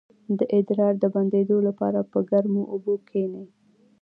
د ادرار د بندیدو لپاره په ګرمو اوبو کینئ